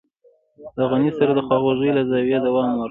له غني سره د خواخوږۍ له زاويې دوام ورکوم.